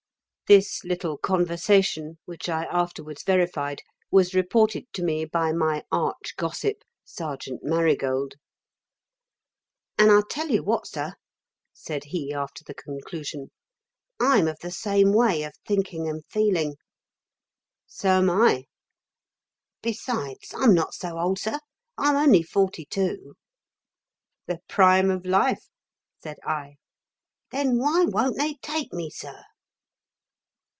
This little conversation (which I afterwards verified) was reported to me by my arch gossip, Sergeant Marigold. "And I tell you what, sir," said he after the conclusion, "I'm of the same way of thinking and feeling." "So am I." "Besides, I'm not so old, sir. I'm only forty two." "The prime of life," said I. "Then why won't they take me, sir?"